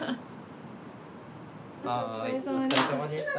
お疲れさまでした。